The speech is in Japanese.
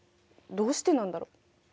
どうしてなんだろう？